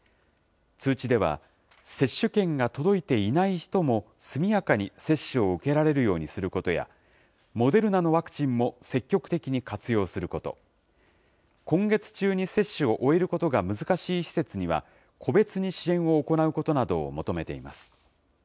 通知では、接種券が届いていない人も速やかに接種を受けられるようにすることや、モデルナのワクチンも積極的に活用すること、今月中に接種を終えることが難しい施設には、個別に支援を行うことなどを求めています。